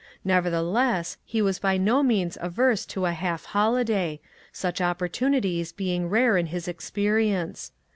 Nevertheless, he was by no means averse to a half holiday, such opportunities being rare in his experience.